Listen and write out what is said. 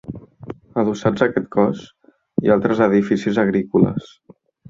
Adossats a aquest cos hi ha altres edificis agrícoles.